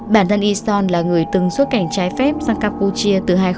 bản thân i một là người từng xuất cảnh trái phép sang campuchia từ hai nghìn sáu